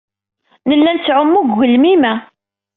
Nella nettɛumu deg ugelmim-a.